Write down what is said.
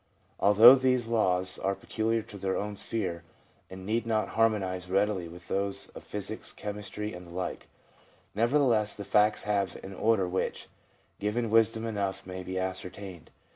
Although these laws are peculiar to their own sphere, and need not harmonise readily with those of physics, chemistry, and the like, nevertheless, the facts have an order which, given wisdom enough, may be ascertained.